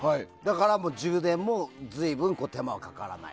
充電も手間がかからない。